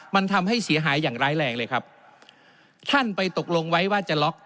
มันทำให้เสียหายอย่างร้ายแรงเลยครับท่านไปตกลงไว้ว่าจะล็อก